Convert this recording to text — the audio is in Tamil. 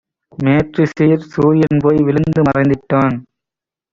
மேற்றிசையிற் சூரியன்போய் விழுந்து மறைந்திட்டான்;